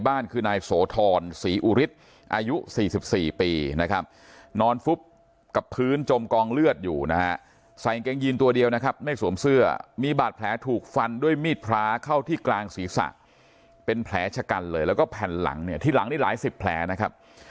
ใส่อันเกงยีนตัวเดียวนะครับไม่สวมเสื้อมีบาดแผลถูกฟันด้วยมีดพลาเข้าที่กลางศรีษะเป็นแผลชะกันเลยแล้วก็ผ่านหลังเนี่ยที่หลังนี่หลายสิบแผลนะครับ